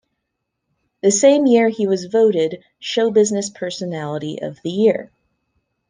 The same year he was voted 'Showbusiness Personality of the Year'.